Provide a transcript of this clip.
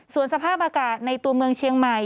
ส่วนสภาพอากาศในตัวเมืองเชียงใหม่